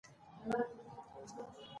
قومونه د افغانستان د صنعت لپاره مواد برابروي.